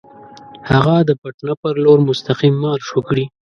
هغه د پټنه پر لور مستقیم مارش وکړي.